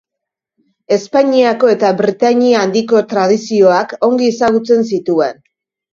Espainiako eta Britainia Handiko tradizioak ongi ezagutzen zituen.